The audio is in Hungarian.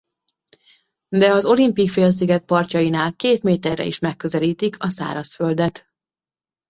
De az Olympic-félsziget partjainál két méterre is megközelítik a szárazföldet.